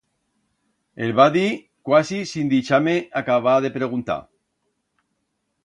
El va dir cuasi sin dixar-me acabar de preguntar.